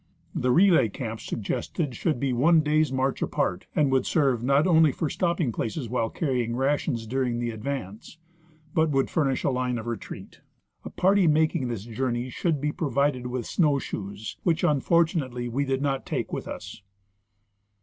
The relay camps suggested should be one day's march aj)art, and would serve not only for stopping places while carrying rations during the advance, but would furnish a line of retreat. A party making this journey should be provided with snow shoes, which unfortunately we did not take with us.